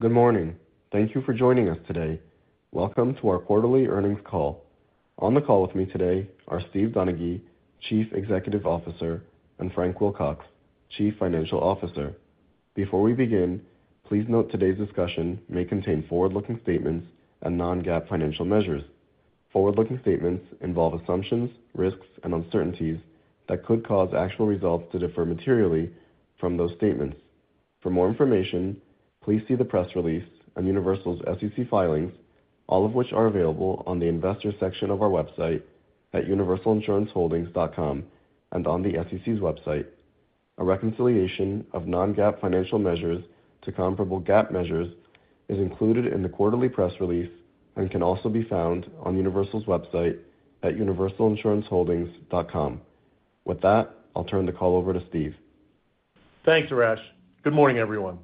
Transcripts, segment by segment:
Good morning. Thank you for joining us today. Welcome to our quarterly earnings call. On the call with me today are Steve Donaghy, Chief Executive Officer, and Frank Wilcox, Chief Financial Officer. Before we begin, please note today's discussion may contain forward-looking statements and non-GAAP financial measures. Forward-looking statements involve assumptions, risks, and uncertainties that could cause actual results to differ materially from those statements. For more information, please see the press release on Universal's SEC filings, all of which are available on the investor section of our website at universalinsuranceholdings.com and on the SEC's website. A reconciliation of non-GAAP financial measures to comparable GAAP measures is included in the quarterly press release and can also be found on Universal's website at universalinsuranceholdings.com. With that, I'll turn the call over to Steve. Thanks, Arash. Good morning, everyone.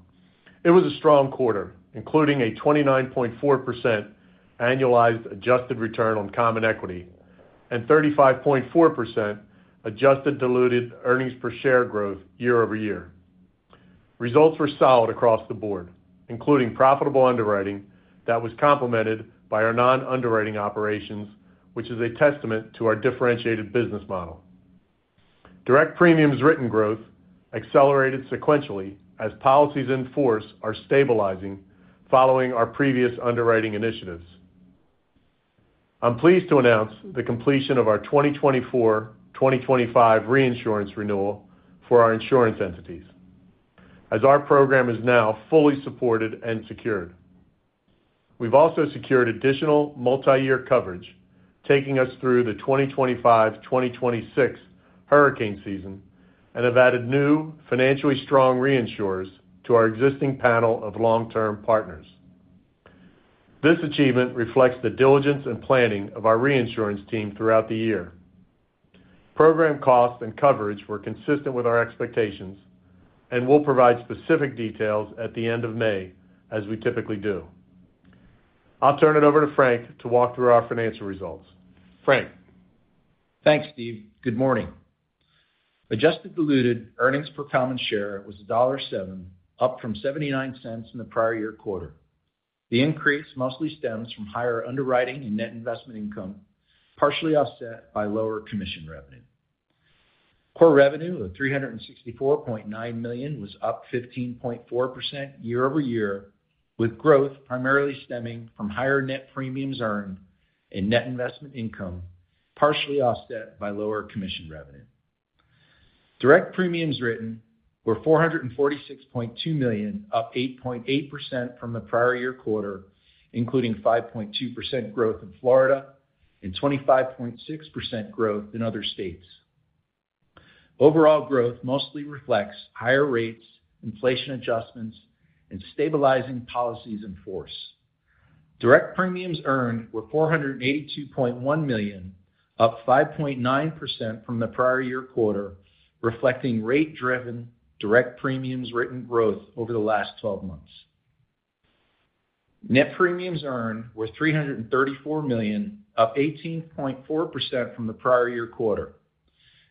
It was a strong quarter, including a 29.4% annualized adjusted return on common equity and 35.4% adjusted diluted earnings per share growth year-over-year. Results were solid across the board, including profitable underwriting that was complemented by our non-underwriting operations, which is a testament to our differentiated business model. Direct premiums written growth accelerated sequentially as policies in force are stabilizing following our previous underwriting initiatives. I'm pleased to announce the completion of our 2024-2025 reinsurance renewal for our insurance entities, as our program is now fully supported and secured. We've also secured additional multiyear coverage, taking us through the 2025-2026 hurricane season, and have added new, financially strong reinsurers to our existing panel of long-term partners. This achievement reflects the diligence and planning of our reinsurance team throughout the year. Program costs and coverage were consistent with our expectations, and we'll provide specific details at the end of May, as we typically do. I'll turn it over to Frank to walk through our financial results. Frank? Thanks, Steve. Good morning. Adjusted diluted earnings per common share was $1.07, up from $0.79 in the prior year quarter. The increase mostly stems from higher underwriting and net investment income, partially offset by lower commission revenue. Core revenue of $364.9 million was up 15.4% year-over-year, with growth primarily stemming from higher net premiums earned and net investment income, partially offset by lower commission revenue. Direct premiums written were $446.2 million, up 8.8% from the prior year quarter, including 5.2% growth in Florida and 25.6% growth in other states. Overall growth mostly reflects higher rates, inflation adjustments, and stabilizing policies in force. Direct premiums earned were $482.1 million, up 5.9% from the prior year quarter, reflecting rate-driven direct premiums written growth over the last twelve months. Net premiums earned were $334 million, up 18.4% from the prior year quarter.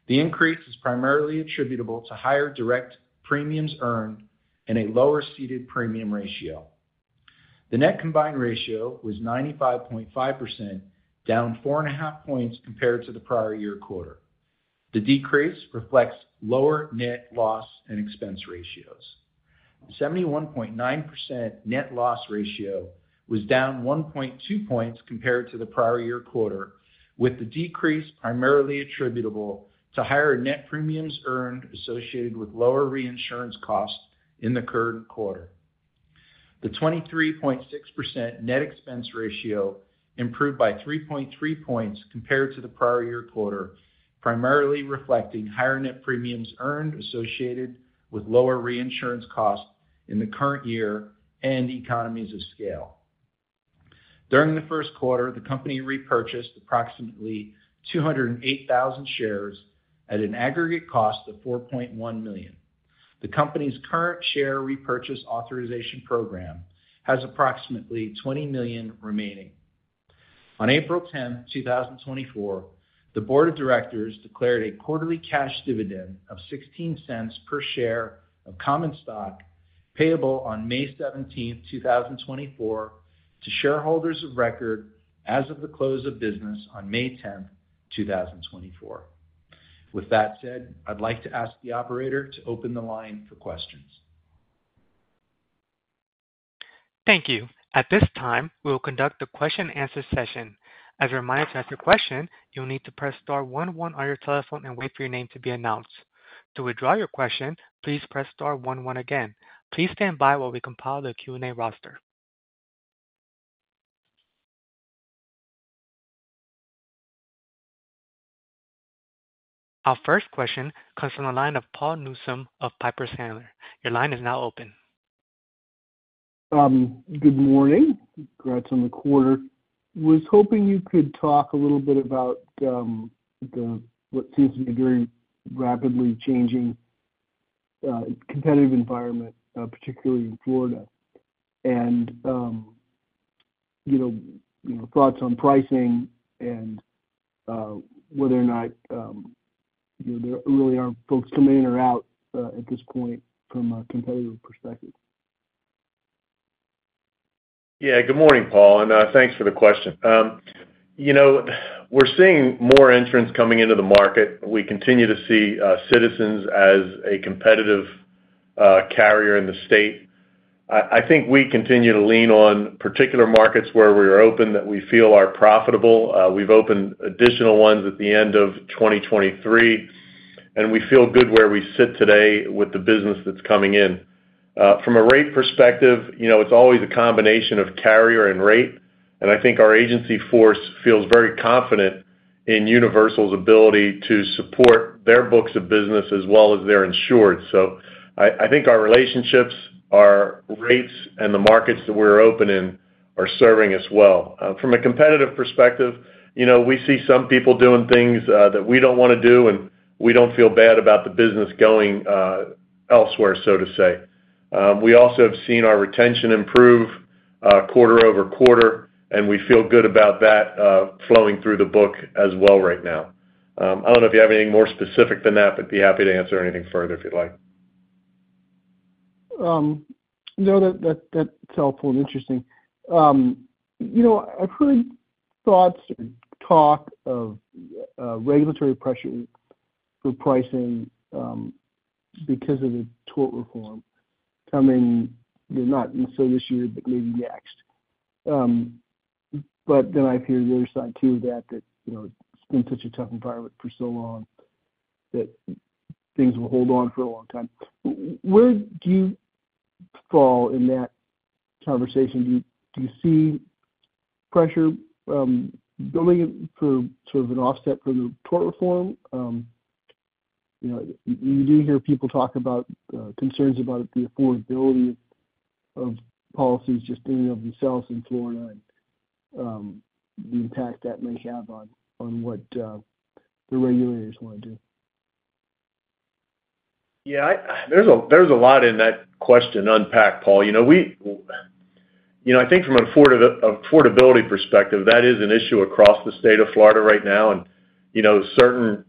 The increase is primarily attributable to higher direct premiums earned and a lower ceded premium ratio. The net combined ratio was 95.5%, down 4.5 points compared to the prior year quarter. The decrease reflects lower net loss and expense ratios. 71.9% net loss ratio was down 1.2 points compared to the prior year quarter, with the decrease primarily attributable to higher net premiums earned associated with lower reinsurance costs in the current quarter. The 23.6% net expense ratio improved by 3.3 points compared to the prior-year quarter, primarily reflecting higher net premiums earned associated with lower reinsurance costs in the current year and economies of scale. During the first quarter, the company repurchased approximately 208,000 shares at an aggregate cost of $4.1 million. The company's current share repurchase authorization program has approximately 20 million remaining. On April 10, 2024, the board of directors declared a quarterly cash dividend of $0.16 per share of common stock, payable on May 17, 2024, to shareholders of record as of the close of business on May 10, 2024. With that said, I'd like to ask the operator to open the line for questions. Thank you. At this time, we will conduct a question-and-answer session. As a reminder, to ask a question, you'll need to press star one one on your telephone and wait for your name to be announced. To withdraw your question, please press star one one again. Please stand by while we compile the Q&A roster. Our first question comes from the line of Paul Newsome of Piper Sandler. Your line is now open. Good morning. Congrats on the quarter. Was hoping you could talk a little bit about what seems to be very rapidly changing competitive environment, particularly in Florida, and you know, your thoughts on pricing and whether or not you know, there really are folks coming in or out at this point from a competitive perspective. Yeah. Good morning, Paul, and, thanks for the question. You know, we're seeing more entrants coming into the market. We continue to see Citizens as a competitive carrier in the state. I think we continue to lean on particular markets where we're open that we feel are profitable. We've opened additional ones at the end of 2023, and we feel good where we sit today with the business that's coming in. From a rate perspective, you know, it's always a combination of carrier and rate, and I think our agency force feels very confident in Universal's ability to support their books of business as well as their insureds. So I think our relationships, our rates, and the markets that we're open in are serving us well. From a competitive perspective, you know, we see some people doing things that we don't want to do, and we don't feel bad about the business going elsewhere, so to say. We also have seen our retention improve quarter-over-quarter, and we feel good about that flowing through the book as well right now. I don't know if you have anything more specific than that, but be happy to answer anything further if you'd like. No, that that's helpful and interesting. You know, I've heard thoughts and talk of regulatory pressure for pricing because of the tort reform coming, you know, not necessarily this year, but maybe next. But then I hear the other side, too, that you know, it's been such a tough environment for so long that things will hold on for a long time. Where do you fall in that conversation? Do you see pressure building for sort of an offset for the tort reform? You know, you do hear people talk about concerns about the affordability of policies, just thinking of yourselves in Florida and the impact that may have on what the regulators want to do. Yeah, there's a lot in that question to unpack, Paul. You know, I think from an affordability perspective, that is an issue across the state of Florida right now, and, you know, certain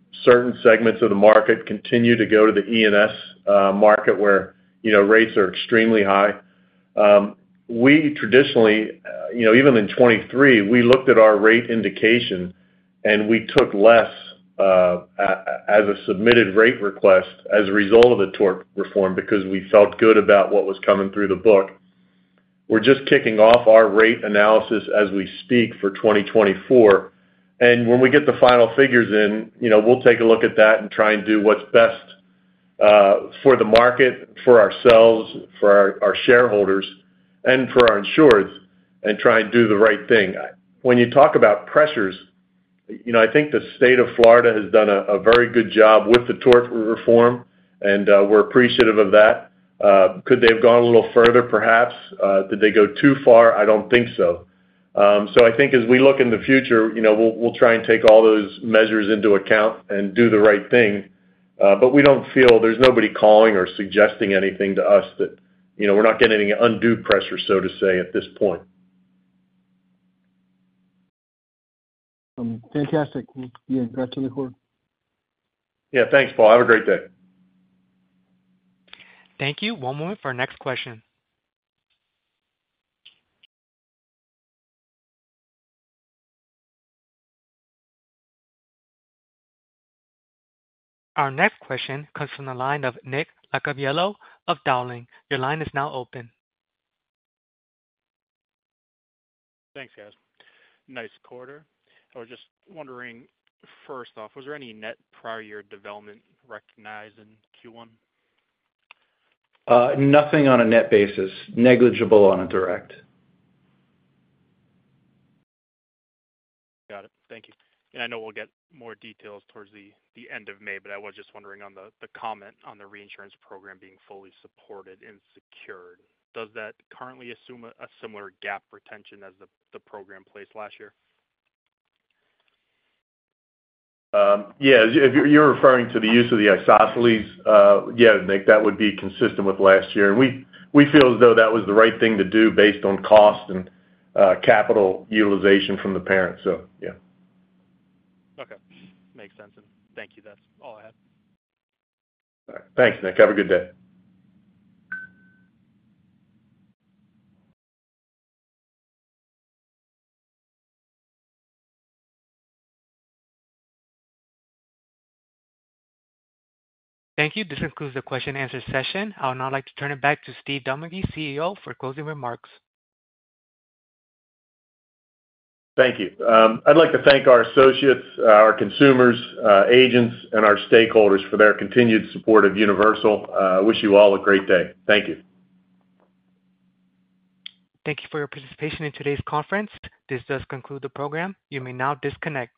segments of the market continue to go to the E&S market where, you know, rates are extremely high. We traditionally, you know, even in 2023, we looked at our rate indication, and we took less as a submitted rate request as a result of the tort reform, because we felt good about what was coming through the book. We're just kicking off our rate analysis as we speak for 2024, and when we get the final figures in, you know, we'll take a look at that and try and do what's best, for the market, for ourselves, for our shareholders, and for our insureds and try and do the right thing. When you talk about pressures, you know, I think the state of Florida has done a very good job with the tort reform, and, we're appreciative of that. Could they have gone a little further? Perhaps. Did they go too far? I don't think so. So I think as we look in the future, you know, we'll try and take all those measures into account and do the right thing, but we don't feel. There's nobody calling or suggesting anything to us that... You know, we're not getting any undue pressure, so to say, at this point. Fantastic. Yeah, congratulations. Yeah, thanks, Paul. Have a great day. Thank you. One moment for our next question. Our next question comes from the line of Nicolas Iacoviello of Dowling & Partners. Your line is now open. Thanks, guys. Nice quarter. I was just wondering, first off, was there any net prior year development recognized in Q1? Nothing on a net basis. Negligible on a direct. Got it. Thank you. And I know we'll get more details towards the end of May, but I was just wondering on the comment on the reinsurance program being fully supported and secured. Does that currently assume a similar cat retention as the program placed last year? Yeah, if you're referring to the use of the Isosceles, yeah, Nick, that would be consistent with last year. And we feel as though that was the right thing to do based on cost and capital utilization from the parent. So, yeah. Okay. Makes sense. Thank you. That's all I had. All right. Thanks, Nick. Have a good day. Thank you. This concludes the question and answer session. I would now like to turn it back to Steve Donaghy, CEO, for closing remarks. Thank you. I'd like to thank our associates, our consumers, agents, and our stakeholders for their continued support of Universal. Wish you all a great day. Thank you. Thank you for your participation in today's conference. This does conclude the program. You may now disconnect.